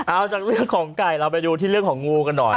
เอาจากเรื่องของไก่เราไปดูที่เรื่องของงูกันหน่อย